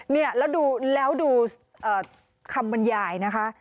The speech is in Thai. เนี่ยแล้วดูคำบรรยายนะคะ